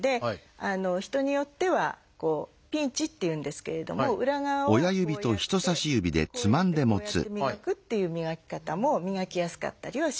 人によっては「ピンチ」っていうんですけれども裏側はこうやってこうやってこうやって磨くっていう磨き方も磨きやすかったりはします。